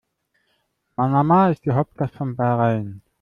Manama ist die Hauptstadt von Bahrain.